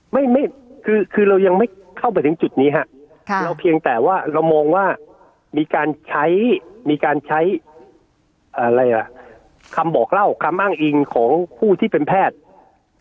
ไม่ไม่คือคือเรายังไม่เข้าไปถึงจุดนี้ฮะค่ะเราเพียงแต่ว่าเรามองว่ามีการใช้มีการใช้คำบอกเล่าคำอ้างอิงของผู้ที่เป็นแพทย์